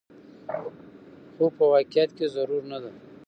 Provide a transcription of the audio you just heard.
خو په واقعيت کې ضرور نه ده